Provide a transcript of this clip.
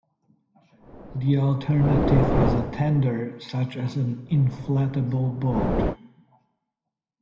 The alternative is a tender such as an inflatable boat.